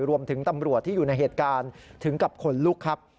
ตำรวจที่อยู่ในเหตุการณ์ถึงกับขนลุกครับ